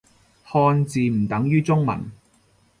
漢字唔等於中文